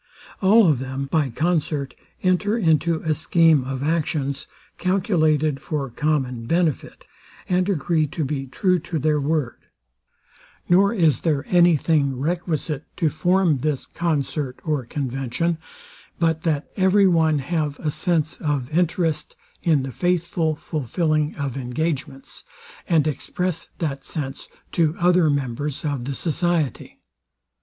All of them, by concert, enter into a scheme of actions, calculated for common benefit, and agree to be true to their word; nor is there any thing requisite to form this concert or convention, but that every one have a sense of interest in the faithful fulfilling of engagements, and express that sense to other members of the society.